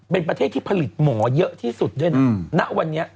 เป็นประเทศที่ผลิตหมอเยอะที่สุดด้วยนะณวันนี้